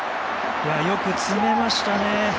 よく詰めましたね。